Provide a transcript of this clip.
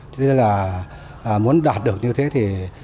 thế là muốn đạt được như thế thì